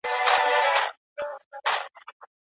دا مونوګراف به نورو محصلینو ته هم ګټور وي.